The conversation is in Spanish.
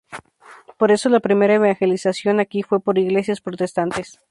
Por eso la primera evangelización aquí fue por iglesias protestantes.